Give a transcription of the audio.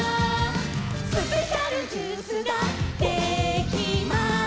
「スペシャルジュースができました」